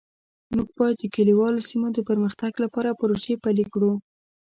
موږ باید د کلیوالو سیمو د پرمختګ لپاره پروژې پلي کړو